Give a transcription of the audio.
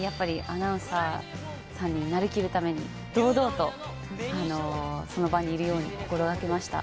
アナウンサーさんになりきるために堂々とその場にいるように心がけました。